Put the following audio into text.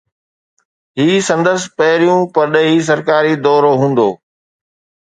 هي سندس پهريون پرڏيهي سرڪاري دورو هوندو